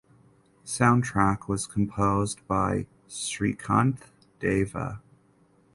Soundtrack was composed by Srikanth Deva.